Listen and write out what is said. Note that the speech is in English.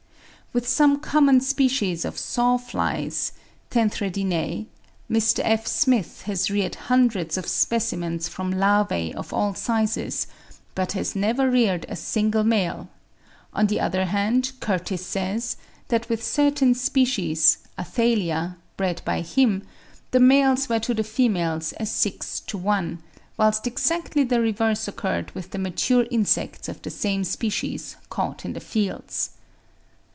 With some common species of Saw flies (Tenthredinae) Mr. F. Smith has reared hundreds of specimens from larvae of all sizes, but has never reared a single male; on the other hand, Curtis says (86. 'Farm Insects,' pp. 45 46.), that with certain species (Athalia), bred by him, the males were to the females as six to one; whilst exactly the reverse occurred with the mature insects of the same species caught in the fields.